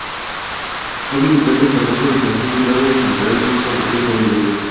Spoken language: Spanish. Fue militar de carrera, y alcanzó el grado de general de caballería.